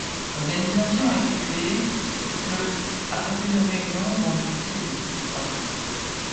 L'organisation a été créée le après plusieurs réunions dont le succès était toujours croissant.